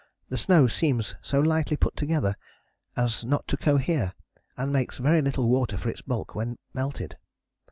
The snow seems so lightly put together as not to cohere, and makes very little water for its bulk when melted.